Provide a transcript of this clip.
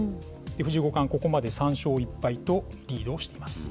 藤井五冠、ここまで３勝１敗とリードをしています。